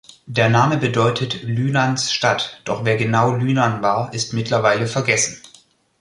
Der Name bedeutet „Lynans Stadt“, doch wer genau Lynan war, ist mittlerweile vergessen.